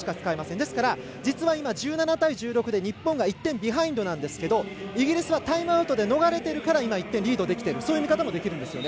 ですから、実は今１７対１６で日本が１点ビハインドなんですがイギリスはタイムアウトで逃れてるから今、１点リードできているそういう見方もできるわけですね。